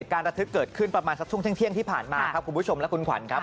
การระทึกเกิดขึ้นประมาณสักช่วงเที่ยงที่ผ่านมาครับคุณผู้ชมและคุณขวัญครับ